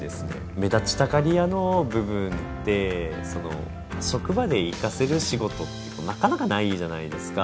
目立ちたがり屋の部分で職場で生かせる仕事ってなかなかないじゃないですか。